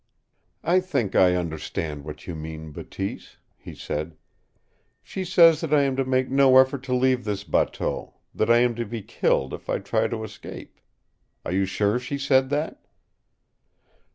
"I think I understand what you mean, Bateese," he said. "She says that I am to make no effort to leave this bateau that I am to be killed if I try to escape? Are you sure she said that?"